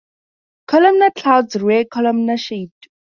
Columnar clouds - rare, column-shaped.